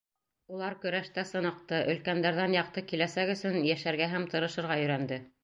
Улар көрәштә сыныҡты, өлкәндәрҙән яҡты киләсәк өсөн йәшәргә һәм тырышырға өйрәнде.